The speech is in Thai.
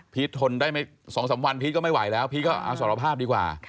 ทนได้ไม่๒๓วันพีชก็ไม่ไหวแล้วพีชก็สารภาพดีกว่า